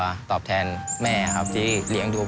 อยากตอบแทนเขาบ้างครับ